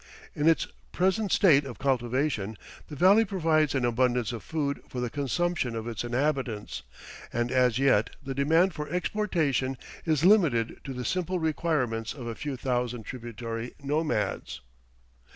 In its present state of cultivation the valley provides an abundance of food for the consumption of its inhabitants, and as yet the demand for exportation is limited to the simple requirements of a few thousand tributary nomads.